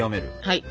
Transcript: はい！